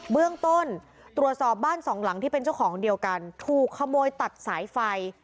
เบื้องต้นตรวจสอบบ้านสองหลังที่เป็นเจ้าของเดียวกันถูกขโมยตัดสายไฟ